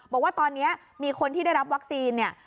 บอกว่าตอนนี้มีคนที่ได้รับวัคซีนเนี่ย